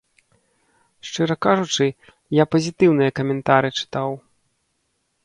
Шчыра кажучы, я пазітыўныя каментары чытаў.